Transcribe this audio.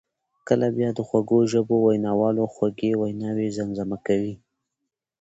کله بیا د خوږ ژبو ویناوالو خوږې ویناوي زمزمه کوي.